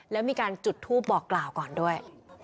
แล้วมีการจุดทูปบอกกล่าวก่อนด้วย